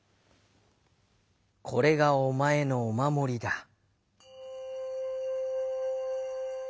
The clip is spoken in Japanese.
「これがおまえのおまもりだ」。